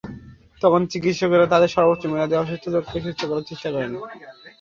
তখন চিকিৎসকেরা তাঁদের সর্বোচ্চ মেধা দিয়ে অসুস্থ লোককে সুস্থ করার চেষ্টা করেন।